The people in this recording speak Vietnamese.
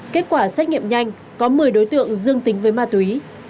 kết quả xét nghiệm nhanh có một mươi đối tượng dương tính với ma túy